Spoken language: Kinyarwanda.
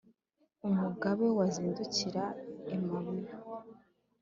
umugabe wazindukira i mabiho